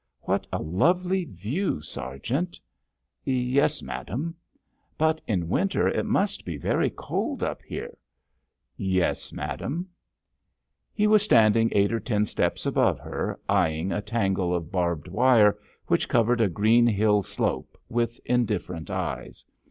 "What a lovely view, sergeant." "Yes, madame." "But in winter it must be very cold up here." "Yes, madame." He was standing eight or ten steps above her, eyeing a tangle of barbed wire which covered a green hill slope, with indifferent eyes.